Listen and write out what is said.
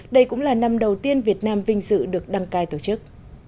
đây cũng là năm đầu tiên việt nam vinh dự được đăng cai tổ chức